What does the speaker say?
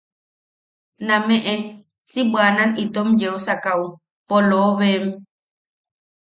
Nameʼe si bwanan itom yeu sakaʼu. ¡Poloobem!